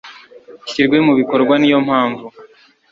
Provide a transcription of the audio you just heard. ishyirwe mu bikorwa ni yo mpamvu